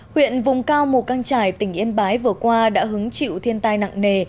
huyện vùng cao mù căng trải tỉnh yên bái vừa qua đã hứng chịu thiên tai nặng nề